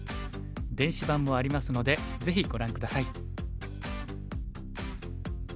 電子版もありますのでぜひご覧下さい。